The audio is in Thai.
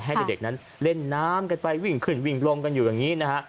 ให้เด็กนั้นเล่นน้ำกันไปวิ่งขึ้นวิ่งลงกันอยู่อย่างนี้นะฮะ